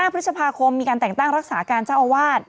พฤษภาคมมีการแต่งตั้งรักษาการเจ้าอาวาส